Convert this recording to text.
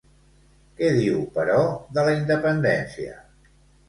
Què diu, però, de la independència?